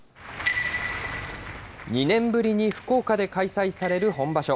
２年ぶりに福岡で開催される本場所。